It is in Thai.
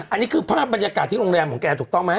อันนี้คือภาพบรรยากาศที่โรงแรมของแกถูกต้องไหม